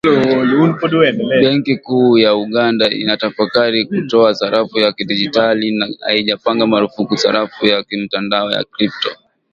Benki kuu ya Uganda inatafakari kutoa sarafu ya kidigitali, na haijapiga marufuku sarafu ya kimtandao ya krypto